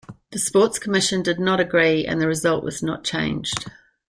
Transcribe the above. The Sports Commission did not agree and the result was not changed.